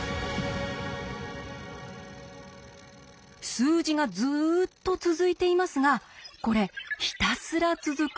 数字がずっと続いていますがこれひたすら続く１つの素数なんです。